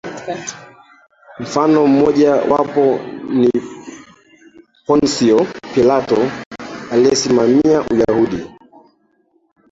Mfano mmoja wapo ni Ponsyo Pilato aliyesimamia Uyahudi